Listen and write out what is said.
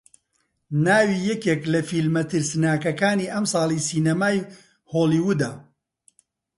ناوی یەکێک لە فیلمە ترسناکەکانی ئەمساڵی سینەمای هۆلیوودە